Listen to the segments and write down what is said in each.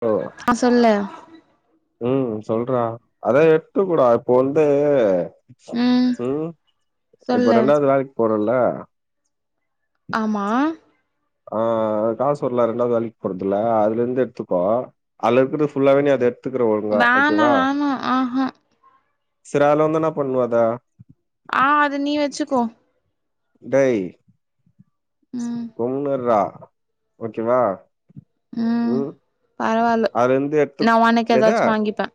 ஓ ஆ சொல்லு ம் சொல்றா அத எட்துகோடா இப்போ வந்து ம் இப்ப சொல்லு ரெண்டாவது வேலைக்கு போறேல ஆமா ஆ காசு வருல்லா ரெண்டாவது வேலக்கு போறதுல அதுல இருந்து எடுத்துக்கோ அதுல இருக்கறது ஃபுல்லாவே நீ அத எடுத்துக்கிற ஒழுங்க வேணா ஓகேவா வேணா ஆஹா சரி அதுலந்து என்னா பண்ணுவா அத ஆ அது நீ வச்சுக்கோ டேய் ம் கொம்முன்னிரா ஓகேவா ம் பரவால்ல அதுல இருந்து நா எடுத்துக் உனக்கு என்னது ஏதாச்சு வாங்கிப்பே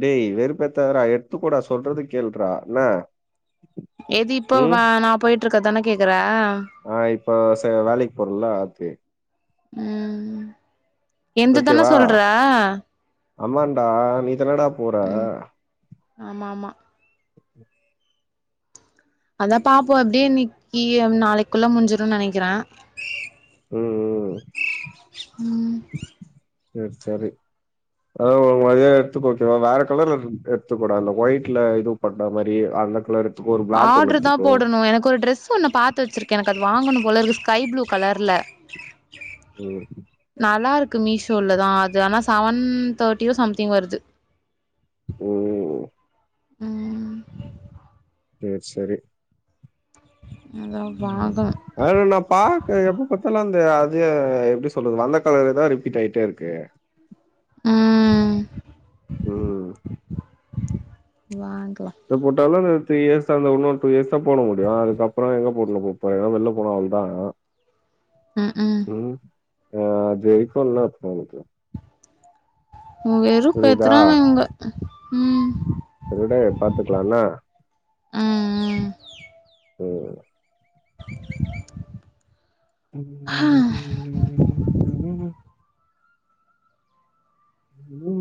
டேய் வெறுப்பேத்தாதடா எடுத்துக்கோடா சொல்றது கேள்றா என்ன எது ம் இப்போவா நா போயிட்டு இருக்கதானே கேக்குற ஆ இப்ப செ வேலைக்கு போறல்ல அது ம் எந்ததானே ஓகேவா சொல்ற ஆமான்டா நீ தனடா போற ம் ஆமா ஆமா அதா பாப்போ அப்டியே இன்னைக்கு நாளைக்குள்ள முஞ்சிருனு நெனக்கிற ம் ம் ம் சர் சரி அதா உ அதயே எடுத்துக்கோ ஓகேவா வேற கலர்ல [unintelligible] எடுத்துக் கோடா அந்த ஒயிட்ல இது போட்ட மாரி அந்த கலரு ஆட்ரு தா போடணு எனக்கு ஒரு டிரெஸ் ஒன்னு பாத் து வச்சிருக்கே எனக்கு அது வாங்கணு போல இருக்கு ஸ்கை ப்ளூ கலர்ல என்ன நல்லாருக்கு மீஷோல தா அது ஆனா செவன் தேர்ட்டியோ சம்திங் வருது ம் ம் சேர் சேரி அதா பாக்கனு வேறென்னாப்பா எப்ப பாத்தாலு அந்த அது எப்டி சொல்றது வந்த கலரரேதா ரிப்பீட் ஆயிட்டே இருக்கு அ ம் வாங்கலா ட்ட போட்டாலு இந்த த்ரீ இயர்ஸ் அந்த உன்னுரு டூ இயர்ஸ் தா போடா முடியு அதுக்கப்புற எங்க போட்டுன்னு போ போற எங்கே வெள்லா போனோ இதா ம் ம் ம் அ அதுவரைக்கு என்ன பன்னது புரியுதா வெருப்பேத்துறாங்க இவுங்க ம் சரி விடு பாத்துக்கலா என்ன ஆ அ ஓ [unintelligible] ம் மு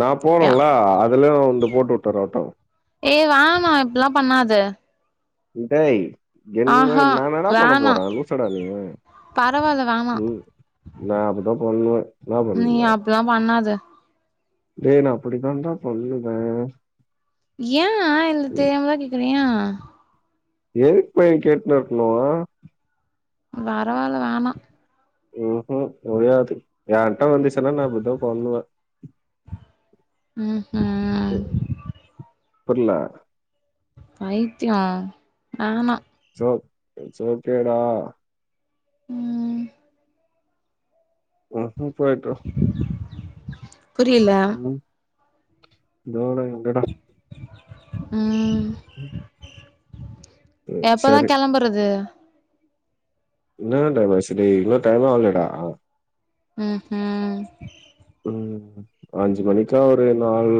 நா போடனுல்ல அதுலயு வந்து போட்டு வுட்டுறட்டு ஏ வேனா இப்பில்லா பண்ணாத ட் டேய் என்ன ஆஹா நா என்னடா பண்ண வேணா போறே லூசடா நீ பரவால்ல வேணா ம் நா அப்டிதா பண்ணுவே நீ அப்டில்லா பண்ணாத டேய் நா அப்டித்தான்டா பண்ணுவே ஏன் இல்ல தெரியாமதா கேக்குறே யே எதுக்கு பைய கேட்டுன்னே இருக்கணு பரவால்ல வேணா ம் ஹும் முடியாது என்ட்ட வந்துச்சுன்னா நா அப்டித்தா பண்ணுவே ம் ஹும் ம் புரில பைத்தியோ வேனா சோ இட்ஸ் ஓக்கேடா ம் ஹு ஹு போய்ட்டு வா புரியல ம் இதோட எங்கடா ம் ம், எப்பதா சரி கெளம்புறது என்ன தான்டா பேசிறது இன்னு டைம் ஆவலடா ம் ஹும் ம் அஞ்சு மணிக்கா ஒரு நாலு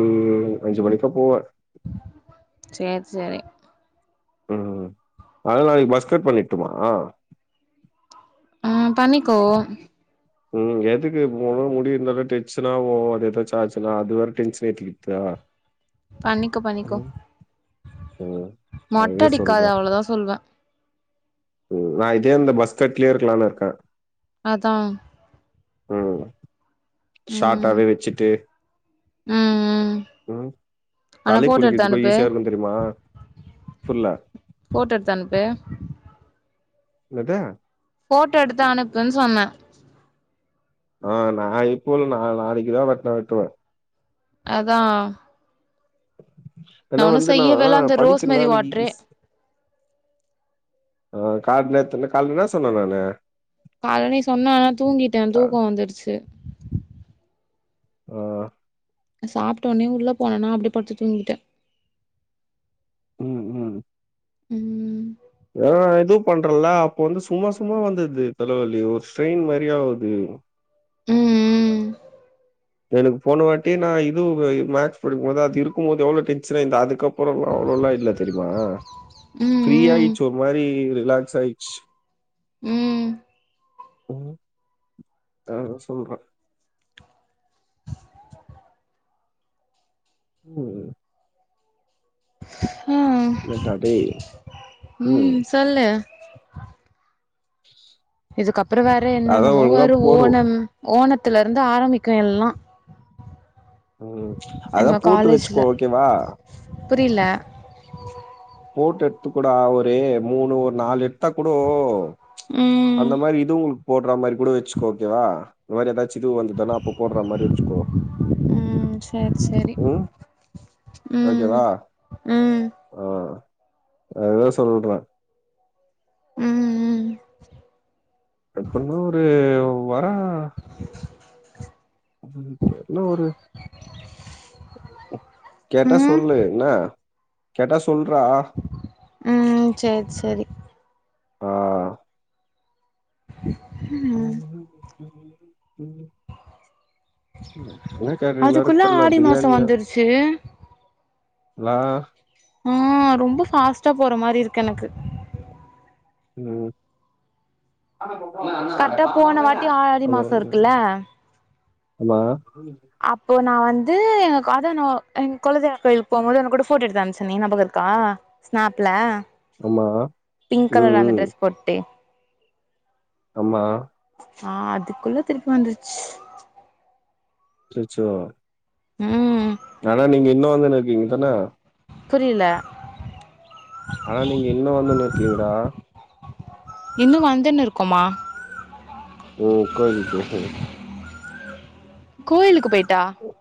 அஞ்சு மணிக்கா போவே சேரி சேரி ம் அதா நாளைக்கி மஸ்கட் பண்ணிட்டுருமா அ பண்ணிக்கோ ம் எதுக்கு போனு முடி இருந்தாலு டென்ஷனா ஆவு அது எதாச்சு ஆச்சுனா அது வேற டென்ஷன் ஏத்திக்கிறதுகா பண்ணிக்கோ பண்ணிக்கோ ம் ம் அதுவே சொல்றோ அப்ப சொல்வே ம் நா இதே இந்த மஸ்கட்லயே இருக்கலான்னு இருக்கே அதா ம் ஷார்டாவே வச்சிட்டு ம் ம் ம் ஆனா தலைக்கு ஃபோட்டோ எடுத்து குளிக்கிறதுக்கு அனுப்பு ஈசியா இருக்குனு தெரியுமா ஃபுல்ல போட்டு எடுத்து அனுப்பு என்னது போட்டோ எடுத்து அனுப்புன்னு சொன்னே அ நா இப்ப இல்ல நா நாளைக்கி தா வெட்னா வெட்டுவே அதா ஏனா ஒன்னு வந்து நா செய்யவே இல்ல அந்த படிக்கிலா ரோஸ்மேரி அன்னைக்கி வாட்ரே ஈஸ் அ கால் நேத்து என்ன கால்ல என்ன சொன்னே நானு கால்ல நீ சொன்ன தூங்கிட்டே அ. தூக்கோ வந்துருச்சு ஓ சாப்டோனே உள்ள போனேனா அப்டியே படுத்து தூங்கிட்டே ம் ம் ம்ம்ம் அ எதுவு பண்றல அப்ப வந்து சும்மா சும்மா வந்தது தலவலி ஒரு ஸ்ட்ரெயின் மாரி ஆகுது ம் எனக்கு போன வாட்டி நா இது மேக்ஸ் படிக்கு போது அது இருக்கு போது எவ்ளோ டென்ஷனா இந்த அதுக்கப் அப்புறம்ல்லா அவ்வளோல்லா இல்ல தெரியுமா ம் ஃப்ரீ ம் ஆயிடுச்சு ஒரு மாரி ரிலாக்ஸ் ஆயிச்சு உம் உம் அ சொல்றே ம் ம் என்னடா டேய்! ம் சொல்லு இதுக்கப்புரோ வேற அதான் என்னன்னமோ ஒழுங்கா வரு போடு. ஓணம் ஓணத்துல இருந்து ஆரம்பிக்கு எல்லா ம் அதா எங்க காலேஜ்ல போட்டுவச்சுக்கோ ஓகேவா புரில போட்டு எடுத்து கோடா ஒரு மூணு ஒரு நாலு எட்த்தா கூடோ ம் அந்த மாரி இது உங்களுக்கு போடுற மாரி கூட வச்சுக்கோ ஓகேவா இந்த மாரிதாச்ச இது வந்து தனா அப்பு போடுற மாரி வச்சுகோ ம் சேரி சேரி ம் ஓகேவா? ம் ஆ அதுதா சொல்றே ம் ம் எப்பென்னா ஒரு வரா உ தெர்ல ஒரு ம் கேட்டா ம் சொல்லு என்ன கேட்டா சொல்றா ம் சேரி சேரி ஆ உம் [inaudible] ம் என்ன கேட்டேங்வேர அதுக்குள்ள தெர்ல ஆடி மாசோ பிரியாணியா வந்துருச்சு ல [unintelligible] ரொம்ப பாஸ்டா போற மாரி இருக்கு எனக்கு ம் கரெக்டா போன வாட்டி ஆடி மாசோ இருக்குல்ல [unintelligible] அம்மா அப்போ நா வந்து [unintelligible] அத நா கொலதெய்வ கோயிலுக்கு போம்போது உங் கூட போட்டோ எடுத்த அனுப்சேனே ஞாபக இருக்கா ஸ்நாப்ல ஆமா. பிங்க் ம் கலர் அந்த ம் ட்ரெஸ் போட்டு அம்மா ஆ அதுக்குள்ள திருப்பி வந்ச்சு அச்சசோ ம் ஆனா நீங்க இன்னு வந்துனு இருக்கீங்க தான புரியல ஆனா நீங்க இன்னு வந்துன்னு இருக்கீங்களா இன்னு வந்துன்னு இருக்குமா ம் கோயில்லுக்கு [unintelligible] கோயிலுக்கு போய்ட்டா உ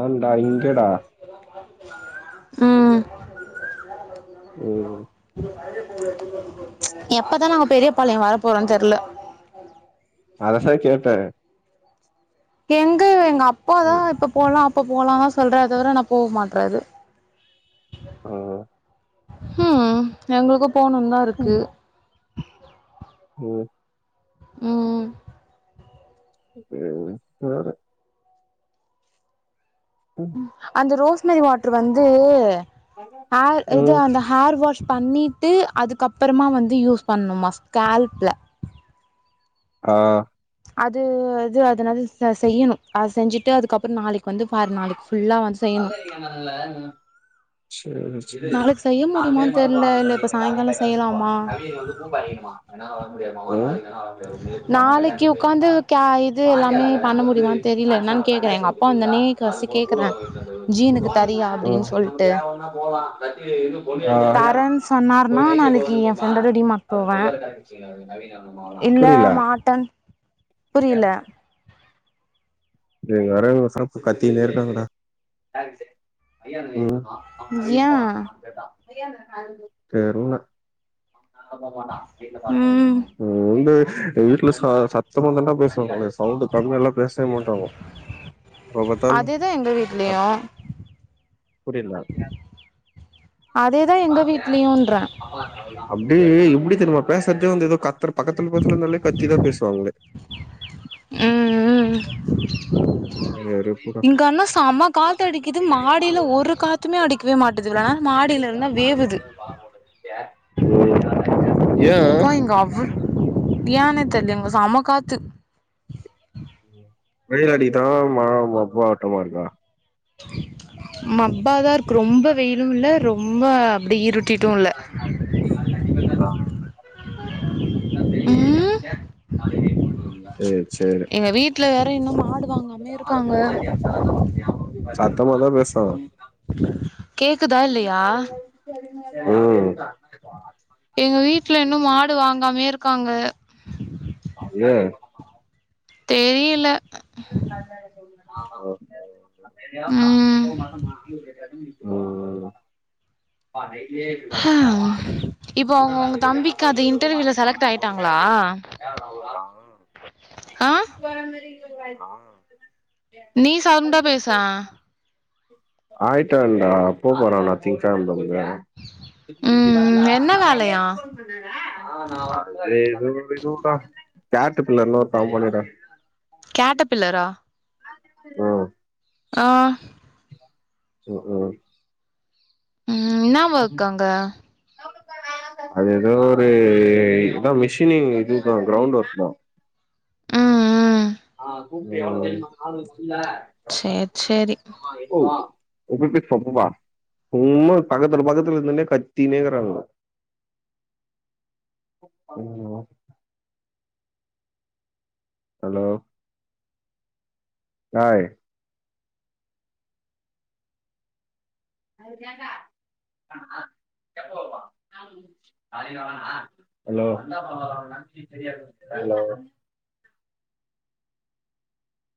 ஆண்டா இங்கடா ம் ம் எப்பதா நாங்க பெரிய பாளைய வர போறோன் தெரில அததா கேட்ட எங்க எங்க அப்பாதா ம் இப்ப போலா இப்ப போலா லா சொல்றாரு தவிர ஆன போ மாட்றாறு ஆ ம் எங்களுக்கு போணுன் தா இருக்கு ஓ ம் ம் போற கும் அந்த ரோஸ்மெரி வாட்டர் வந்து ஆ இது ம் அந்த ஹேர் வாஷ் பண்ணிட்டு அதுக்கப்றமா வந்து யூஸ் பண்ணுமா ஸ்கால்ப்ல ஆ அது இது அதனது செய்யணு அத செஞ்சுட்டு அதுக்கப்பற நாளைக்கு வந்து பார் நாளைக்கு ஃபுல்லா வந் சேர் நாளைக்கு செய்ய முடியுமான் தெர்ல இல்ல இப்ப சாய்ங்கால செய்யலாமா பூ பறிக்கனுமா என்னால வரமுடியாதுமா ஒரு வார சென்டு வர நாளைக்கு உக்காந்து இது எல்லாமே பண்ண முடியுமான் தெரில என்னான் கேக்குற எங்கஅப்பா வந்தனே காசு கேக்குற போனுமா அ நம்ம தேவன்னா போலா தட்டி இன்னு பொண்ணு தர்ரன் சொன்னாருன்னா நாளைக்கு எ ஃப்ரெண்டோட டிமார்ட் போவ புரில புரில நீ வரேங்க ஷா ப் கத்தினே இருக்காங்கடா ம் ஏ தெர்ல கேட்ல பாத்துட்டு வந்ரு ம் ம் வந்து வீட்ல ச சத்த போட்டுதா பேசுவாங்க சவுண்ட் கம்மியால்லா பேசவே மாட்டாங்க அதேதா எங்க அ வீட்லயு புரில அதேதா எங்க வீட்லயுன்ற அப்டி எப்டி தெரிமா பேசுறதே வந்து ஏதோ கத்தற பக்கத்துல பக்கத்துல இருந்தாலே கத்திதா பேசுவாங்களே ம் ம் ரி [unintelligible] இங்க அன்னா செம்ம காத்தடிக்குது மாடில ஒரு காத்து எத்துமே அடிக்கவே மாட்டேதுல மாடிலல்லா வேவுது ம் ஏ அப்பா இங்க அவுத்தியான தெர்ல இங்க செம காாத்து வெயில் அடிக்கட்டு மா மா போராட்டமா இருக்கே மப்பாதா இருக்கு ரொம்ப வெயிலு இல்ல ரொம்ப அப்டி இரு கண்டிப்ப ம் செரி எங்க வீட்ல வேற இன்னு மாடுவாங்காமயே இருக்காங்க சத்தமாதா பேச ம் கேக்குதா இல்லையா எங்க வீட்டல இன்னு மாடு வாங்காமயே இருக்காங்க ஏ தெரியல மா ஓ ம் ஹா இப்போ த மே ப அவங்க உங்க தம்பிக்கு அது மாி இன்டர்வியூல செலக்ட் போ ச ஆயிட்டாங்களா எ [inaudible] ஆ நீ சவுண்டா பேசே ஆ ஆயிட்டான்டா எப்போ போறானா நா திங்கெழமைல இருந்து பல ம் அ என்ன வேலையா [unintelligible] ஏய் இது ஒரு இது டா கேட்டு பில்லர்னு ஒருத்த போனோன்டா கேட்ட பில்லரா ஆ ஆ உம் ம் என்னா வொர்க் அங்க அது ஏதோ ஒரு இதா மிஷினிங் இதுதா கிரௌண்ட் ஒர்க் தா ம் ம் ஹ கூப்ப சேர் சேரி ஆமா உப்பப்ப சொப்பவா சும்மா பக்கத்து பக்கத்துல இருந்துனே கத்தினேங்கிறாங்கங்க [unintelligible] ஹலோ அய் ஹலோ ஹலோ